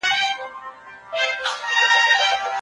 زخمونه باید په درملو پاک شي.